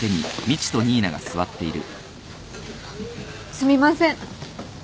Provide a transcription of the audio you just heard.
・すみません。